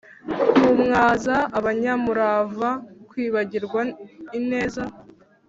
kumwaza abanyamurava, kwibagirwa ineza,